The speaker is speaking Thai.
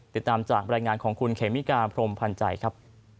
ติดตามจากรายงานของคุณเขมิกาพรมพันธ์ใจครับ